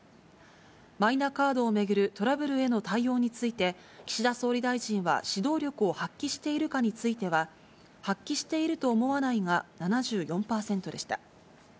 マイナカードを巡るトラブルへの対応について、岸田総理大臣は指導力を発揮しているかについては、発揮していると思わないが７４％でした。